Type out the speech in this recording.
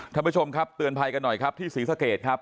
ท่านผู้ชมครับเตือนภัยกันหน่อยครับที่ศรีสะเกดครับ